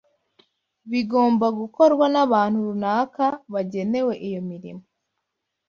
bigomba gukorwa n’abantu runaka bagenewe iyo mirimo.